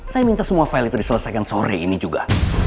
saya minta semua file itu diselesaikan sore ini juga